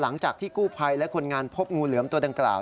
หลังจากที่กู้ภัยและคนงานพบงูเหลือมตัวดังกล่าว